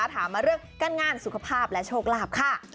ถามมาเรื่องการงานสุขภาพและโชคลาภค่ะ